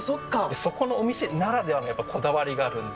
そこのお店ならではのこだわりがあるんで。